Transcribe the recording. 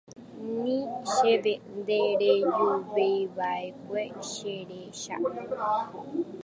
Ni chéve nderejuveiva'ekue cherecha.